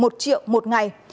một triệu một ngày